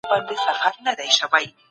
اقتصادي نظام باید عادل وي.